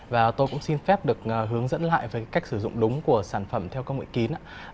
và tôi cũng xin phép được hướng dẫn lại với cách sử dụng đúng của sản phẩm theo công nghệ kín ạ